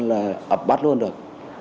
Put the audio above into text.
là ập bắt luôn được